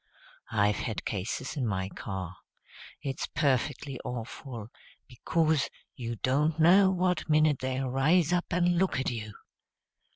I've had cases in my car. It's perfectly awful, becuz you don't know what minute they'll rise up and look at you!"